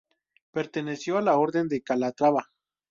Perteneció a la orden de Calatrava.